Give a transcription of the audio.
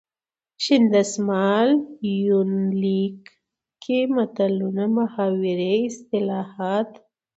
شین دسمال یونلیک کې متلونه ،محاورې، اصطلاحات .